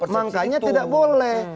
makanya tidak boleh